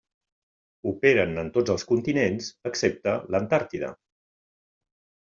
Operen en tots els continents excepte l'Antàrtida.